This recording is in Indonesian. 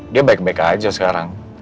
dia baik baik aja sekarang